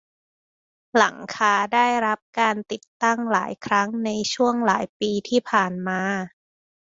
หลังคาได้รับการติดตั้งหลายครั้งในช่วงหลายปีที่ผ่านมา